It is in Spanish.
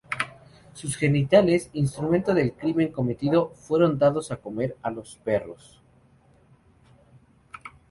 Sus genitales, instrumento del crimen cometido, fueron dados a comer a los perros.